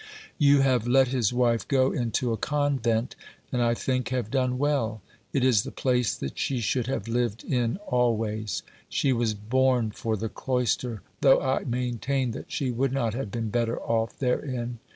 You have let his wife go into a convent, and, I think, have done well. It is the place that she should have lived in always; she was born for the cloister, though I maintain that she would not have been better off therein.